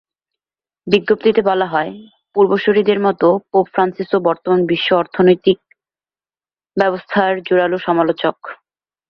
বিজ্ঞপ্তিতে বলা হয়, পূর্বসূরিদের মতো পোপ ফ্রান্সিসও বর্তমান বিশ্ব অর্থনৈতিক ব্যবস্থার জোরালো সমালোচক।